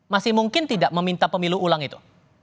masih mungkin tidak meminta pemilu ulang itu